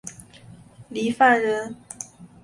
郦范人。